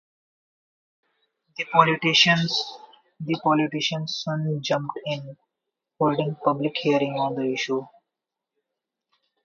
The politicians soon jumped in, holding public hearings on the issue.